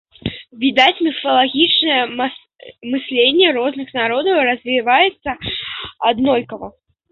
Відаць, міфалагічнае мысленне розных народаў развіваецца аднолькава.